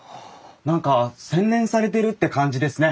何か洗練されてるって感じですね。